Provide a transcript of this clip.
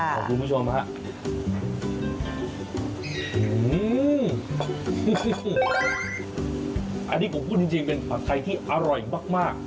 อันนี้ผมพูดจริงเป็นผักไทยที่อร่อยมาก